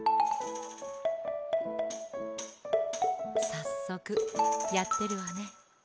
さっそくやってるわね。